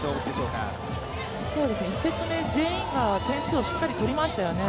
１セット目、全員が点数をしっかり取りましたよね。